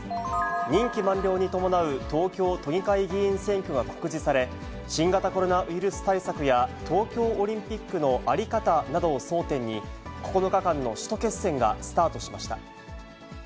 任期満了に伴う東京都議会議員選挙が告示され、新型コロナウイルス対策や、東京オリンピックの在り方などを争点に、９日間の首都決戦がスタートしました。